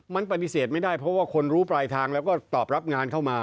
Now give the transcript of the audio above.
มันปฏิเสธไม่ได้เพราะว่าคนรู้ปลายทางแล้วก็ตอบรับงานเข้ามา